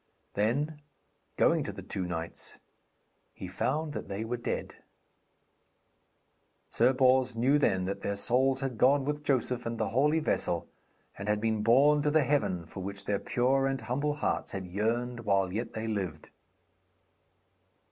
Then, going to the two knights, he found that they were dead. Sir Bors knew then that their souls had gone with Joseph and the holy vessel, and had been borne to the heaven for which their pure and humble hearts had yearned while yet they lived.